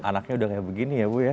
anaknya udah kayak begini ya bu ya